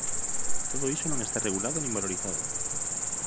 Todo iso non está regulado nin valorizado.